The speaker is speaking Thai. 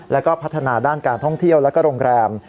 แล้วก็พัฒนาด้านการท่องเที่ยวและโรงแรม